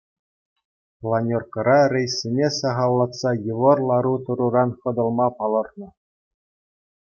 Планеркӑра рейссене сахаллатса йывӑр лару-тӑруран хӑтӑлма палӑртнӑ.